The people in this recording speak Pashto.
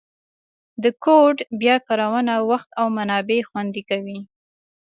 د کوډ بیا کارونه وخت او منابع خوندي کوي.